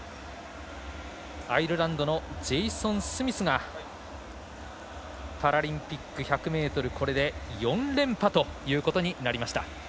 アイルランドのジェイソン・スミスがパラリンピック１００ｍこれで４連覇ということになりました。